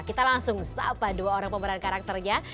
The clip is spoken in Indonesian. kita langsung sapa dua orang pemeran karakternya